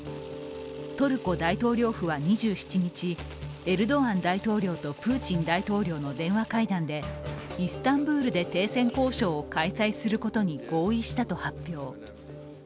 トルコ大統領府は２７日エルドアン大統領とプーチン大統領の電話会談で、イスタンブールで停戦交渉を開催することに合意したと発表。